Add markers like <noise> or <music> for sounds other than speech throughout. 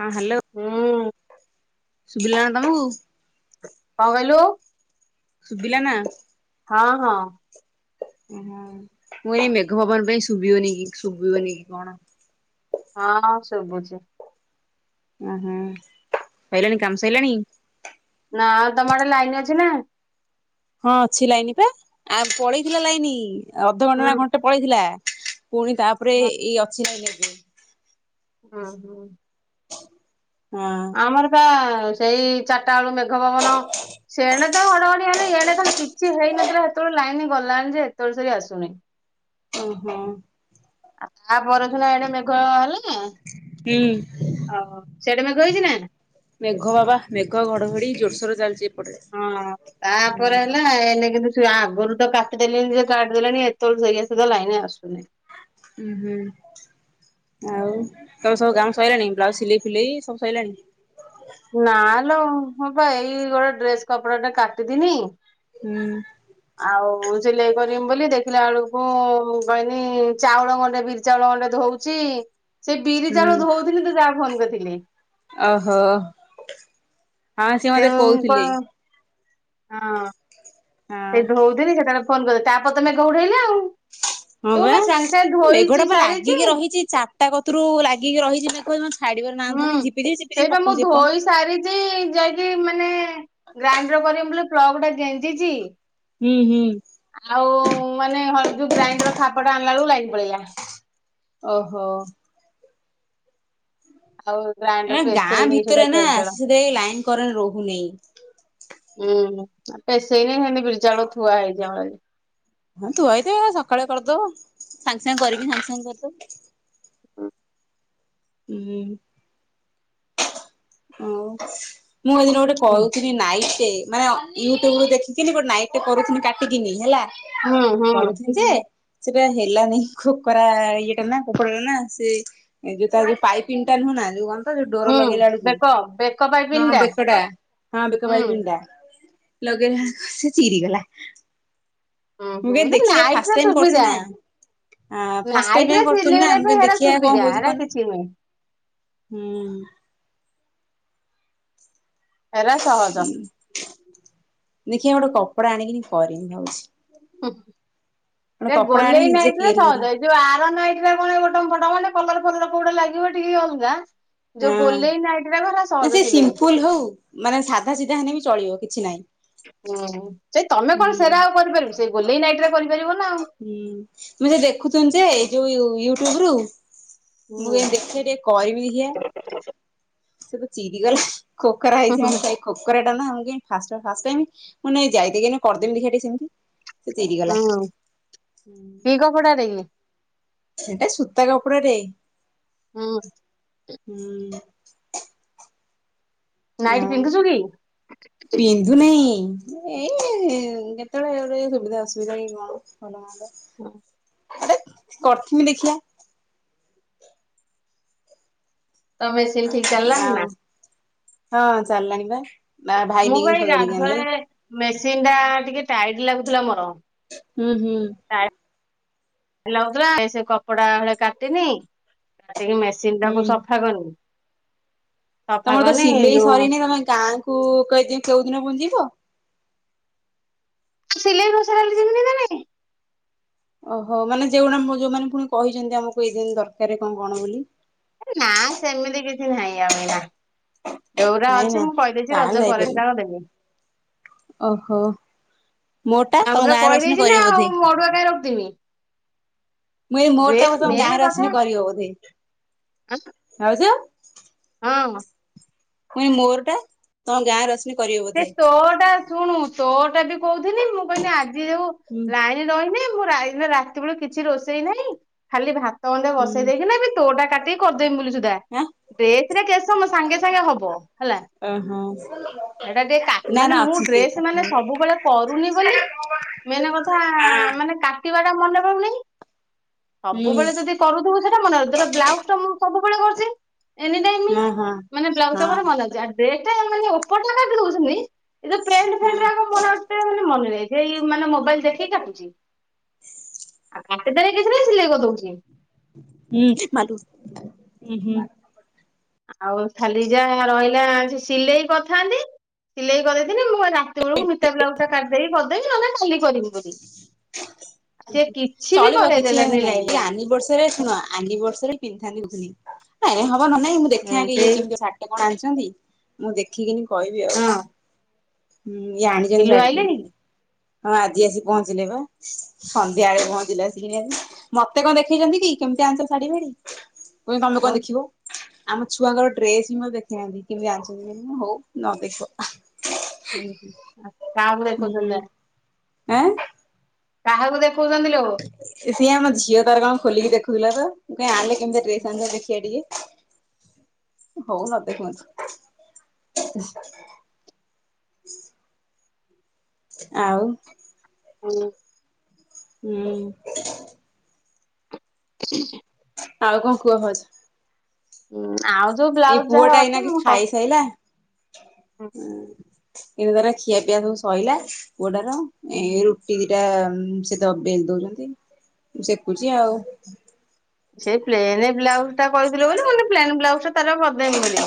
ହଁ ହ୍ୟାଲୋ। ହୁଁ। ଶୁଭିଲା ନା ତମୁକୁ? କଣ କହିଲୁ? ଶୁବିଲା ନା? ହଁ ହଁ। ଓହୋ ମୁଁ ଏଇ ମେଘ ପବନ ପାଇଁ ଶୁଭିବନି କି ଶୁଭିବନି କି କଣ? ହଁ ସୁଭୁଛି। ସଇଲାଣି କାମ ସରଲାଣି? ନା ତମ ଆଡେ ଲାଇନ ଅଛି ନା? ହଁ ଅଛି ଲାଇନ ପା ଆଉ ପଳେଇଥିଲା ଲାଇନ ଅଧଘଣ୍ଟା ହୁଁ ନା ଘଣ୍ଟେ ପଳେଇଥିଲା। ପୁଣି ତାପରେ ହୁଁ ଏଇ ଅଛି ଏଇନେ। ହଁ। ହଁ। ଆମର ପା ସେଇ ଚାରିଟା ଏଳୁ ମେଘ ପବନ ସେଣେ ତ ଘଡଘଡି ହେଲେ ଇଆଡ଼େ ଖାଲି କିଛି ହେଇନଥିଲା ହେତେବେଳୁ ଲାଇନି ଗଲାଣି ଏତେଳ ସରି ଆସୁନି। ଓହୋ। ଆମର ସିନା ଇଆଡ଼େ ମେଘ ହେଲା। ହୁଁ। ଓହ ସିଆଡେ ମେ ମେଘ ହେଇଚି ନା? ମେଘ ବାବା ମେଘ ଘଡଘଡି ଜୋରସୋର ଚାଲିଛି। ଏପଟେ। ହଁ ହୁଁ ତାପରେ ହେଲା ଏଇନେ କିନ୍ତୁ ସେ ଆଗରୁ ତ କାଟିଦେଲେଣି ଜେ କାଟିଦେଲେଣି ଏତେବେଳେ ସେଇଆ ସୁଧା ଲାଇନ ଆସୁନି। ଉୁଁ ହୁଁ ଆଉ ତମ ସବୁ କାମ ସଇଲାଣି ବ୍ଲାଉଜ ସିଲେଇ ଫିଲେଇ ସବୁ ସଇଲାଣି? ନାଲୋ ମୁଁ ପା ଏଇ ଗୋଟେ ଡ୍ରେସ କପଡାଟେ କାଟିଥିନି। ହୁଁ ଆଉ ସିଲେଇ କରିମି ବୋଲି ଦେଖିଲା ବେଳକୁ ମୁଁ କହିନି ଚାଉଳ ଗଣ୍ଡେ ବିରି ଚାଉଳ ଗଣ୍ଡେ ଧଉଛି ସେଇ ବିରି ହୁଁ ଚାଉଳ ଧଉଥିଲି ତ ଯାହା ଫୋନ୍ କରିଥିଲେ। ଓହୋ ହଁ ସିଏ ସେ ମତେ କଣ କହୁଥିଲେ। ହଁ। ହଁ। ସେଇୁ ହଉଥିଲି ସେ ତାର ଫୋନ କ ତାପ ତମେ ମେଘ ଉଡେଇଲା ଆଉ। ହଁ ମୁଁ ବା ସାଙ୍ଗେ ସାଙ୍ଗେ ଧୋଇଛି ମେଘଟା ପା ସାରିଛି ଲାଗିକି ରହିଛି ଚାରିଟା କତରୁ ଲାଗିକି ରହିଛି ମେଘ ଛାଡିବ ନାଁ ହୁଁ ଧରୁନି ଝିପି, ଝିପି, ଝିପି ସେଇପା ମୁଁ ପକଉଚି ଧୋଇ ଏପର୍ଯ୍ୟନ୍ତ। ସାରିଛି ଯାଇକି ମାନେ ଗ୍ରାଇଣ୍ଡର କରିବି ବୋଲି ପ୍ଲଗ ଟା ଗେଞ୍ଜିଚି ହୁଁ ହୁଁ ଆଉ ମାନେ ହ ଯୋଉ ଗ୍ରାଇଣ୍ଡର ଖାପଟା ଆଣିଲା ବେଳକୁ ଲାଇନ ପଳେଇଲା। ଓହୋ। ଆଉ ଏ ଗ୍ରାଇଣ୍ଡର ଏସ ଗାଁ ହେଇକି ସୁଧା ଭିତରେ ନା କରିଦେଳ। ସେଥିଲାଗି ଲାଇନ କରେଣ୍ଟ ରହୁନେଇ। ହୁଁ ପେସେଇନି ହିନ୍ଦି ବିରୀ ଚାଉଳ ଥୁଆ ହେଇଯାଚି ଆମର ଆଜି। ହଁ ଥୁଆ‌ ହେଇଥିବ ସକାଳେ କରିଦବ ସାଙ୍ଗେ, ସାଙ୍ଗେ କରିକି ସାଙ୍ଗେ, ସାଙ୍ଗେ କରିଦବ। ହୁଁ। ଆଓ ମୁଁ ଏଇଦିନ ଗୋଟେ ହୁଁ କହୁଛି ନାଇଟଟେ ମାନେ ୟୁଟୁବ ରୁ ଦେଖିକିନି ଗୋଟେ ନାଇ କରୁଥିଲି କାଟିକିନି ହେଲା। ହୁଁ ହୁଁ କରୁଛି ଯେ ସେଟା ହେଲାନି କୋକରା ଇଏଟା ନା କୋକରା ଟା ନା ସେ ଏ ଯୋଉ ତ ଯଉ ପାଇପ ଇନଟା ନୁହଁ ନା ଯୋଉ କହନ୍ ତୋ ଡର ହୁଁ ଲଗେଇଲା ବେଳକୁ ବେକ ବେକ ପାଇପିନି ହଁ ଟା ବିକଡା ହଁ ବିକ ହୁଁ ଭାଇ ପିଣ୍ଡା। ଲଗେଇଲାହେଲକୁ ସେ ଚିରିଗଲା। ହୁଁ ମୁଁ ହୁଁ କେ ନା ଦେଖିବା ନାଇଟ୍ ଫାଷ୍ଟ ର ଟାଇମ କରଛି ସୁବିଧା। ନା। ଆଁ ଫାଷ୍ଟ ନାଇଟ୍ ରେ ଟାଇମ୍ କରୁଥିଲୁ ନା ସିଲେଇବା ପାଇଁ ଆମକୁ ହେରା ଦେଖିବା କଣ ସୁବିଧା ହଉଛି ହେରା କଣ ନାହଁ? କିଛି ନୁହେଁ ହୁଁ। ହେରା ସହଜ। ଦେଖିଆ ଗୋଟେ କପଡ଼ା ଆଣିକି କରିବି ଭାବଛି। ଉଁ ସେ ଗୋଲେଇ ଆଣିକି ନିଜେ ନାଇଟରେ ତିଆରି ସହଜ କରିବି। ହେଇଛି। ଯୋଉ ଆର ନାଇଟରା ମୋର ବଟମ, ଫଟମ ଗୋଟେ କଲର ଫଲର କୋଉଟା ଲାଗିବ ଟିକିଏ ଅଲଗା। ଯୋଉ ଗୋଲେଇ ନାଇଟରାକ ସହଜ ସିଲେଇ। ଫୁଲ ହଉ। ମାନେ ସାଧା, ସିଧା ହେଲେ ବି ଚଳିବ କିଛି ନାହିଁ। ହୁଁ ସେଇ ତମେ କଣ ହୁଁ ସେରା ଆଉ କରିପାରିବୁ ସେଇ ଗୋଲେଇ ନାଇଟ ରେ କରିପାରିବୁ ନା ଆଉ। ହୁଁ ସେ ଦେଖୁଛନ୍ତି ଯେ ଏଇ ଯୋଉ ୟୁଟ୍ୟୁବ ରୁ ହୁଁ ମୁଁ ଦେଖିଲି ଟିକେ କରିବି ଦେଖିଆ। ଚିରିଗଲା ଖୋକରା ହୁଁ ହେଇଛି ମନେ। ଖୋକରା ଟା ନା ଫାଷ୍ଟ, ଫାଷ୍ଟ ଟାଇମ୍ ମୁଁ ଯାଇତାଇକି କରିଦେବି ଦେଖିଆ ଟିକେ ଚିରିଗଲା। କପଡ଼ା ଦେଇକି। ସେଟା ସୂତା କପଡ଼ା ଟେ। ହୁଁ। <inaudible> ନାଇଟ ଆଉ ପିନ୍ଧୁଚୁ କି? ପିନ୍ଧୁନେଇ ଏଇ କେତେବେଳେ ଏ ସୁବିଧା ଅସୁବିଧା କଣ? ହଁ। ଆରେ କରିଥମି ଦେଖିଆ। ତ ମେସିନ୍ ଠିକ ଚାଲିଲା ନା ଆଉ ହଁ ଚାଲିଲାଣି ପା ଭାଇ ମୁଁ ନେଇକି ସଜାଡିକି ଆଣିଲେ। ଗାଧୁଆଳେ ମେସିନ୍ ଟା ଟିକେ ଟାଇଟି ଲାଗୁଥିଲା ମୋର। ଉଁ ହୁଁ ଟାଇଟ୍ <unintelligible> ସେ କପଡ଼ା ହଲେ କାଟିନି ଟିକେ ହୁଁ ମେସିନଟାକୁ ସଫା କରିନି। ସଫା ତମର ତ କରିନି ସିଲେଇ ଯୋଉ ସରିନି ତମେ ଗାଁକୁ କେଇ କୋଉ ଦିନ ପୁଣି ଯିବ। ସିଲେଇ କରିସାଇଲେ ଯିବିନି ତାହାହେନେ ଓହୋ ମାନେ ଯୋଉଡା ଯୋଉମାନେ ପୁଣି କହିଚନ୍ତି ଆମକୁ ଏଇ ଦିନ୍ ଦରକାର କଣ କଣ ବୋଲି। ଆରେ ନାଁ ସେମିତି କିଛି ନାହିଁ ଆଉ ଏଇନା। ଯୋଉରା ନାଇଁ ଅଛି ନା ମୁଁ କହିଦେଇଚି ତାହେଲେ ରଜ ପରେ ଯାଇପାରିବେ ହେରାକ ଦେବି। ଓହୋ ମୋଟା ମୁଁ ତମ ଆଗତୁରା ଗାଁରୁ ଆସିଲେ କହିଦେଇଚି ନାଁ କରିବ ଆଉ ବୋଧେ ଅଡ଼ୁଆ କାହିଁ ରଖିଥିବି। ମୁଁ ଏଇ ମୋରଟା ବୋଧେ ତମ ମେନ୍ ଗାଁରୁ କଥା ଆସିନେ କରିବ ବୋଧେ ଭାଉଜ। ହଁ ମୁଁ କହିନି ମୋରଟା ତମ ଗାଁରୁ ଆସି ସେଇ ତୋରଟା ଶୁଣୁ ତୋରଟା ବି କହୁଥିଲି ମୁଁ କହିଲି ଆଜି ଯୋଉ ହୁଁ ଲାଇ ଆଜି ରହିମି ମୁଁ ରା ଏ ରାତି ବେଳୁ କିଛି ରୋଷେଇ ନାହିଁ। ଖାଲି ଭାତ ଗଣ୍ଡେ ବସେଇ ହୁଁ। ଦେଇକିନା ବି ତୋରଟା କାଟିକି କରିଦେମି ବୋଲି ସୁଦ୍ଧା। ଆଁ ଡ଼୍ରେସରେ କେତେ ସମୟ ସାଙ୍ଗେ ସାଙ୍ଗେ ହବ ହେଲା। ଏ ହଁ ହେଟା ଟିକେ କାଟୁନୁ ମାନେ ମୁଁ ଡ୍ରେସ୍ ମାନେ କଥା ସବୁବେଳେ ହୁଁ ହଁ କରୁନି ବୋଲି ମେନ୍ କଥା ମାନେ କାଟିବାଟା ମନେ ପଡୁନି। ସବୁବେଳେ ଯଦି କରୁଥିବୁ ସେଟା ମନେ ରହିବ। ଧର ବ୍ଲାଉଜ୍ ଟା ମୁଁ ସବୁବେଳେ କରୁଚି। ଏନିଟାଇମ୍ ହଁ ହଁ ମାନେ ବ୍ଲାଉଜଟା ମନେ ଅଛି। ଆ ଡ୍ରେସ୍ ଟା ମାନେ ଓପରଟା କାଟି ଦଉଚି ସେମିତି ଏ ଯୋଉ ପେଣ୍ଟ ଫେଣ୍ଟ ହୁଁ ଉରାକ ମୋର ଏତେ ମାନେ ନାହିଁ। ହେଇ ମାନେ ମୋବାଇଲ ଦେଖିକି କାଟୁଚି। ଆଉ କାଟିଦେଲେ କିଛି ନାହିଁ ସିଲେଇ କରି ଦଉଚି। ହୁଁ ମା ଲୋ ଉଁ ହୁଁ। ଆଉ ଖାଲି ଯାହା ରହିଲା ସିଲେଇ କରିଥାନ୍ତି। ସିଲେଇ କରିଦେଇଥିନେ ମୁଁ କହିନି ରାତି ବେଳକୁ ମିତା ବ୍ଲାଉଜଟା କାଟିଦେଇ କି କରିଦେବି। ନହେନେ କାଲି କରିବି ବୋଲି ସିଏ କିଛି ବି କରେଇ ଦେଲାନି ଲାଇନ୍ ଆଣି। ବର୍ଷରେ ଶୁଣ ଆନିବର୍ଷରୀରେ ପିନ୍ଧଥାନ୍ତି କହୁଥିନି। ହେ ହବ ନ ନାଇଁ ମୁଁ ଦେଖେ ହୁଁ ଆଗେ ଇଏ ସେଇ କେମିତିଆ ଶା ଏ କଣ ଆଣିଚନ୍ତି? ମୁଁ ଦେଖିକିନି କହିବି ଆଉ। ହଁ ହୁଁ ଇଏ ଆଣିଚନ୍ତି ବିଲୁ ଶାଢ଼ୀଟେ। ଆଇଲେଣି ହଁ ଆଜି ଆସି ପହଞ୍ଚିଲେ ବା। ସନ୍ଧ୍ୟାବେଳେ ପହଞ୍ଚିଲେ ଆସିକି ଆଜି। ମତେ କଣ ଦେଖେଇଚନ୍ତି କି କେମିତି ଆଣିଚନ୍ତି ଶାଢ଼ୀ ଫାଢ଼ୀ। କହୁଚନ୍ତି ତମେ ଆଉ କଣ ଦେଖିବ? ଆମ ଛୁଆଙ୍କର ଡ୍ରେସ ବି ମତେ ଦେଖିଇନାହାନ୍ତି। କେମିତି ଆଣିଚନ୍ତି ବୋଲି ହଉ ନ ଦେଖୁଅ। ଉଁ ହୁଁ ଆଁ କାହାକୁ ଦେଖିଉଚନ୍ତି। ଏଁ କାହାକୁ ଦେଖଉଚନ୍ତି ଲୋ? ସିଏ ଆମ ଝିଅ ତାର କଣ ଖୋଲିକି ଦେଖୁଥିଲା ତ। ମୁଁ କହିନି ଆଇଏ କେମିତିଆ ଡ୍ରେସ୍ ଆଣିଚନ୍ତି ଦେଖିଆ ଟିକେ। ହଉ ନ ଦେଖୁଅନ୍ତୁ। ହ <unintelligible> ଆଉ ହ୍ୟାଲୋ ହୁଁ ହ <unintelligible> ଆଉ କଣ କୁହ ଭାଉଜ? ହୁଁ ଆଉ ଯୋଉ ବି ଏ ପୁଅ ଟା ଏଇନା କେ ଖାଇ ସାଇଲା। ହୁଁ ଏଇନା ତାର ଖିଆ ପିଆ ସବୁ ସଇଲା ପୁଅ ଟାର ଏ ରୁ। ଦିଟା ସେ ଦ ବେଲ ଦଉଛନ୍ତି ମୁଁ ସେକୁଛି ଆଉ। ସେ ପ୍ଲେନ୍ ବ୍ଲାଉଜ ଟା କହିଥିଲେ ବୋଲି ମୁଁ କହିଲି ପ୍ଲେନ୍ ବ୍ଲାଉଜ ଟା ତାର କରିଦେମି ବୋଲି।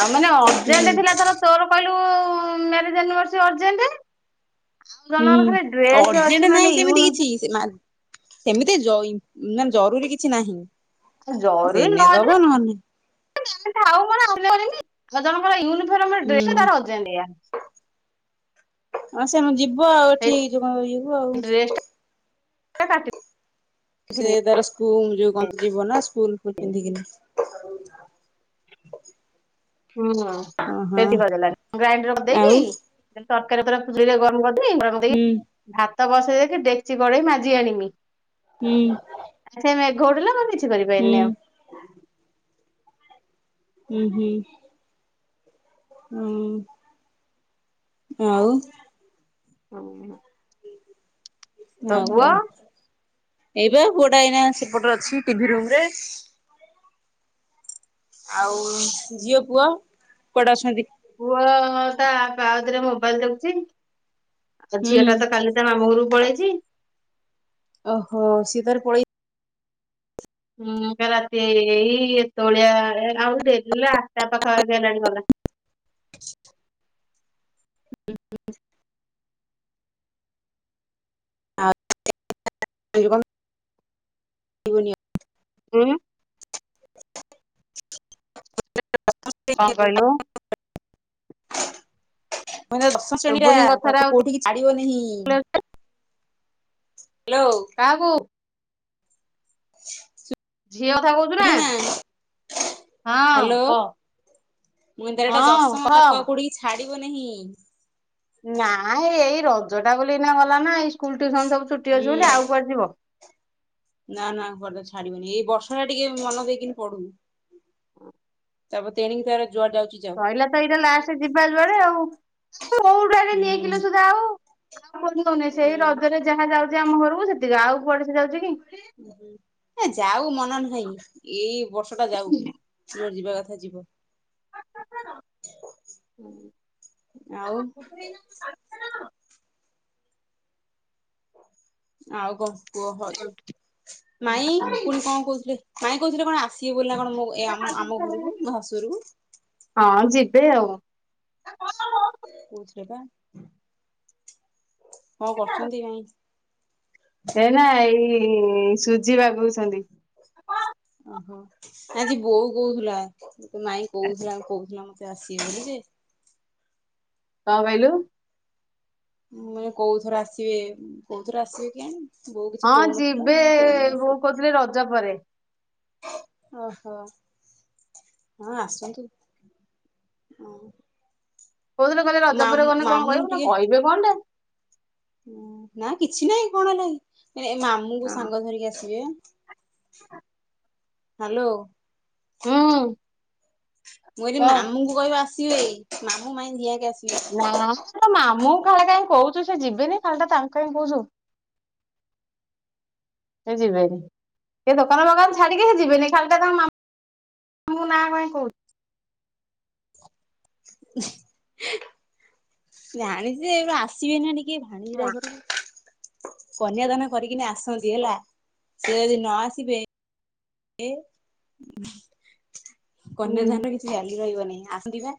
ଆଉ ମାନେ ହୁଁ ଅର୍ଜେଣ୍ଟ ଥିଲା ଧର ତୋର କହିଲୁ ମ୍ୟାରେଜ ଆନିଭର୍ରଶରି ଅରଜେଣ୍ଟ। ଆଉ ହୁଁ ଜଣଙ୍କର ଡ୍ରେସ୍ ଅର୍ଜେଣ୍ଟ ଅଛି ନାହିଁ ମାନେ ୟୁ। ସେମିତି ମାଲ ସେମିତି ଜୟି ମାନେ ଜରୁରୀ କିଛି ନାହିଁ। ଜରୁରୀ ଦେନେ ନ ଦବ ନହେଲେ ହେଇଥିଲେ। ଆଉ ମାନେ ଆଉ କରିବି ଜଣଙ୍କର ୟୁନିଫର୍ମ ଡ୍ରେସ ଟା ଅରଜେଣ୍ଟିଆ। ଆଁ ସେମ୍ ଯିବ ଆଉ ସେଇ ଏଠି ଜୋନ ଇଏକୁ ଆଉ। ଡ୍ରେସ ଟା ସେ କାଟିଥିଲି। ତାର ସ୍କୁଲ ଯୋଉ କନ୍ତ୍ରୀ ବନା ସ୍କୁଲକୁ ପିନ୍ଧିକିନା। ହୁଁ ହୁଁ ଓହୋ। ରେଧି କରିଦେଲାନି ଗ୍ରାଇଣ୍ଡର ଆଉ କରିଦେଇକି। ତରକାରୀ ପରା ଚୁଲିରେ ଗରମ କରିଦେଇ ଗରମ କରି ଦେଇ। ହୁଁ ଭାତ ବସେଇ ଦେଇଛି ଡେକ୍ଚି, କଡେଇ ମାଜି ଆଣିମି। ହୁଁ। ସେ ମେଘ ଉଠେଇଲା ମୁଁ କିଛି ହୁଁ କରିପାରିଲିନି ଆଉ। ଉଁ ହୁଁ। ହୁଁ ଆଉ। ଆଉ ନା। ଉଁ ହୁଁ ଆଉ କ'ଣ। ଏଇ ବା ପୁଅଟା ଏଇନା ସେପଟରେ ଅଛି ଟିଭି ରୁମରେ। ଆଉ ଝିଅ, ପୁଅ କୁଆଡେ ଅଛନ୍ତି। ପୁଅ ତା ବାପା କତିରେ ମୋବାଇଲି ଦେଖୁଛି ଆଉ ହୁଁ ଝିଅ ଟା ତ କାଲି। ତା ମାମୁଁ ଘରୁକୁ ପଳେଇଛି। ଓହୋ ସିଏ ତାର ପଳେଇ। ହୁଁ କାଲି ରାତି ଏଇତୋଳିଆ ଆଉଡେରିହେଲା ଆଠ ଟା ପାଖା ପାଖି ହେଲାଣି ଗଲା। <unintelligible> <unintelligible> ଆଉ <inaudible> ଭୋଗ ନିଅ। ହୁଁ। କ'ଣ କହିଲୁ। ପୁଅ ଏଇନା ଦଶମ ଶ୍ରେଣୀ ଆ ଶୁଭୁନି କଥାରା ତାକୁ ଆଉ କୋଉଠି କି। ଛାଡିବ ନେଇ ହାଲୋ। କାହାକୁ। <inaudible> ସୁ। ଝିଅ କଥା କହୁଛୁ ନା ହଁ ହ୍ୟାଲୋ କ। ମୁଁ କହିଲି ତାର ଏଟା ଦଶମ ତାକୁ ଆଉ କୋଉଠିକି ଛାଡିବ ନେହି। ନା ଏଇ ରଜ ଟା ବୋଲି ଏଇନା ଗଲା ନା ଏଇ ସ୍କୁଲ, ଟିଉସନ ସବୁ ଛୁଟି ଅଛି ହୁଁ ବୋଲି ଆଉ କୁଆଡେ ଯିବ। ନା, ନା କୁଆଡେ ଛାଡିବନି ଏଇ ବର୍ଷା ଟା ଟିକେ ମନ ଦେଇକିନି ପଢ଼ୁ। ହୁଁ। ତାପରେ ତେଣିକି ତାର ଯୁଆଡେ ଯାଉଛି ଯାଉ। ସଇଲା ତ ଏଇଟା ଲାଷ୍ଟ ଯିବା ଯୁଆଡେ ଆଉ କୋଉଟାରେ ନିଏକି ଲୋ ହୁଁ ସୁଧା ଆଉ। ଆଉ କୁଆଡେ ଯାଉନି ସେଇ ହୁଁ। ରଜରେ ଯାହା ଯାଉଛି ଆମ ଘରୁକୁ ସେତିକି ଆଉ କୁଆଡେ ସେ ଯାଉଛି କି। ଏ ଯାଉ ମନା ନାହିଁ ଏଇ ବର୍ଷ ଟା ଯାଉ ଯୁଆଡେ ଯିବା କଥା ଯିବ। ଆଉ <unintelligible> ଆଉ କଣ କୁହ ହଉଛି? ମାଇଁ ପୁଣି କଣ କହୁଚ ମାଇଁ କହୁଥିଲେ କଣ ଆସିବେ ବୋଲି ନା କଣ ମୋ ଏ ଆମ ଘରକୁ ମୋ ଶାଶୁ ଘରକୁ? ହଁ ଯିବେ ଆଉ। ହନ ଲୋ। କହୁଥିଲେ ବା, କଣ କରୁଛନ୍ତି ମାଇଁ? ଏଇନା ଏଇ ସୁଜି ବାଗଉଛନ୍ତି। <unintelligible> ହୋ ଆଜି ବୋଉ କହୁଥିଲା ତୋ ମାଇଁ କହୁଥିଲା କହୁଥିଲା ମତେ ଆସିବେ ବୋଲି ଯେ। କଣ କହିଲୁ? ମୁଁ କୋଉଥରେ ଆସିବେ କୋଉଥରେ ଆସିବେ କେଜାଣି? ହଁ ଯିବେ ବୋଉ କହୁଥିଲେ ରଜ ପରେ। ଓହୋ ହଁ ଆସନ୍ତୁ। କହୁଥିଲେ କହିଲେ ରଜ ପରେ ମାମୁଁ ଗଲେ କଣ ମାମୁଁ କହିବେ ନା ଟିକେ କହିବେ କଣ ବେ। ନା କିଛି ନାଇଁ କଣ ହେଲାକି ଏ ମାମୁଙ୍କୁ ସାଙ୍ଗରେ ଧରିକି ଆସିବେ। ହ୍ୟାଲୋ। ହୁଁ। ମୁଁ କହିଲି କହ। ମାମୁଁଙ୍କୁ କହିବ ଆସିବେ ମାମୁଁ ମାଇଁ ଦି ହାକେ ଆସି ନା ତୋ ମାମୁଁଙ୍କୁ ଖାଲି କାଇଁ କହୁଚୁ ସେ ଯିବେନି ଖାଲି ଟା ତାଙ୍କୁ କାଇଁ କହୁଛୁ। ସେ ଯିବେନି ସେ ଦୋକାନ ଫୋକାନ ଛାଡିକି ସେ ଯିବେନି ଖାଲିଟା ତା ମା ତୁ ନା କାଇଁ କହୁଛୁ। <unintelligible> ଜାଣିଛି ଆସିବେନା ଟିକେ ଭାଣିଜି ର ଘରକୁ। କନ୍ୟାଦାନ କରିକିନା ଆସନ୍ତି ହେଲା ସେ ଯଦି ନ ଆସିବେ ଏ ହୁଁ। କନ୍ୟାଦାନ ର କିଛି ଭ୍ୟାଲୁ ରହିବନି ଆସନ୍ତି ବା।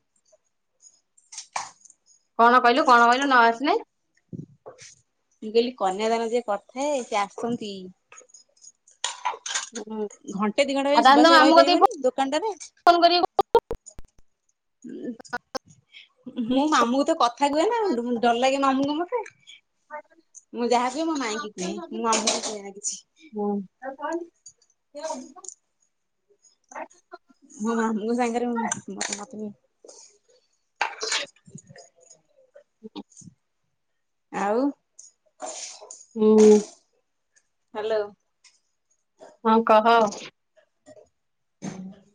କଣ କହିଲୁ କଣ କହିଲୁ ନ ଆସିଲେ? ମୁଁ କହିଲି କନ୍ୟାଦାନ ଯିଏ କରିଥାଏ ସେ ଆସନ୍ତି। ଘଣ୍ଟେ ଦିଘଣ୍ଟା ଆଉ ପାଇଁ ତାହେଲେ ସୁବାସ ତମେ ଭାଇ ଆମ କତିକି ରହିପାରିବନି ଦୋକାନଟାରେ। ଫୋନ କରିକି ମୁଁ ମାମୁଁକୁ ତ କ ଥା କୁହେନା, ଡର ଲାଗେ ମାମୁଁ ଙ୍କୁ ମତେ। ମୁଁ ଯାହା କୁହେ ମୋ ମାଇଁକି କୁହେ ମୁଁ ମାମୁଁ କୁ କୁହେନା କିିଛି। <unintelligible> ମୋ ମାମୁଁଙ୍କ ସାଙ୍ଗରେ ମୁଁ ଭାତ ଖାଉଥିଲି। <unintelligible> <unintelligible> ଆଉ। ହୁଁ। ହ୍ୟାଲୋ। ହଁ କହ।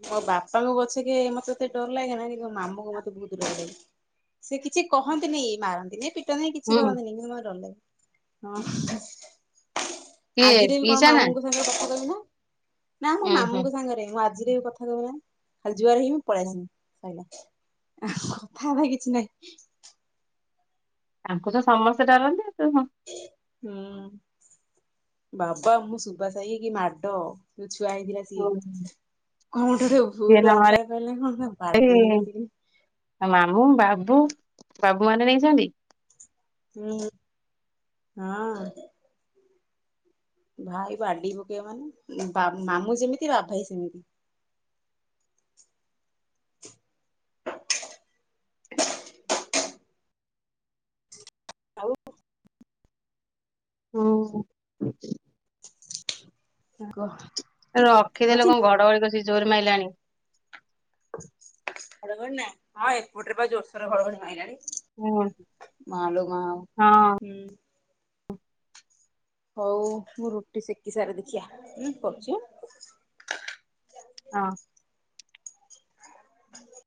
ମୋ ବାପାଙ୍କୁ ପଛେ କି ମତେ ଏତେ ଡର ଲାଗେ ନାହିଁ କିନ୍ତୁ ମୋ ମାମୁଁ ଙ୍କୁ ମତେ ବହୁତ ଡର ଲାଗେ। ସେ କିଛି କହନ୍ତିନି, ମାରନ୍ତିନି, ପିଟ ନ୍ତିନି, କିଛି ହୁଁ କରନ୍ତିନି କିନ୍ତୁ ମତେ ଡର ଲାଗେ। ହଁ। କିଏ ଆଜିରେ ବି କଣ ପିଇସା ନା ମାମୁଁଙ୍କ ସାଙ୍ଗରେ କଥା କହିବ ନା? ନା ମୋ ଉଁ ହୁଁ ମାମୁଁଙ୍କ ସାଙ୍ଗରେ ମୁଁ ଆଜିରେ ବି କଥା ଖାଲି ଯୁଆର ହେଇ ମୁଁ ପଳେଇ ଆସିବି ସଇଲା କଥା ହେବା କିଛି ନାହିଁ। ତାଙ୍କୁ ତ ସମସ୍ତେ ଡରନ୍ତି ତୁ ହଁ। ହୁଁ। ବାବା ମୁଁ ସୁବା ସାହି ହେଇକ କି ମାଡ ଯୋଉ ଛୁଆ ହେଇଥିଲା ସିଏ ନହେଲେ <unintelligible> ଆଉ ମାମୁଁ ବାବୁ, ବାବୁ ମାନେ ନେଇଛନ୍ତି। ହୁଁ ହଁ। ଭାଇ ବାଡି ପୋକେଇବ ମାନେ ମାମୁଁ ଯେମିତି ବା ଭାଇ ସେମିତି। ଆଉ ହଉ। କୁହ? ରଖିଦେଲେ କଣ ଘଡ ଘଳିିକ ସେ ଜୋର ମାରିଲାଣି। ଘଡ଼ଘଡି ନାଁ ହଁ ଏପଟେରେ ବା ଜୋରସୋର ଘଡ଼ଘଡି ମଇଲାଣି। ହଁ ମାଲ ମା ହୁଁ। ହଉ ମୁଁ ରୁଟି ସେକି ସାରି ଦେଖିଆ କରୁଛି। ହଁ। <unintelligible>